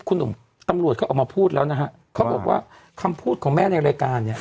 คุณหนุ่มตำรวจเขาออกมาพูดแล้วนะฮะเขาบอกว่าคำพูดของแม่ในรายการเนี่ย